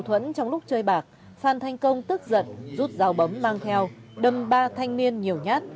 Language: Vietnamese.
thuẫn trong lúc chơi bạc phan thanh công tức giận rút dao bấm mang theo đâm ba thanh niên nhiều nhát